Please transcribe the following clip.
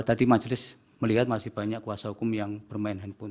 tadi majelis melihat masih banyak kuasa hukum yang bermain handphone